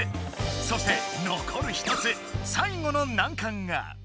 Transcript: そしてのこる一つさい後のなんかんが。